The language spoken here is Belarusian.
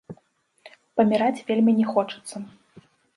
Паміраць вельмі не хочацца.